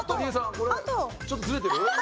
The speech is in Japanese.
これちょっとズレてる？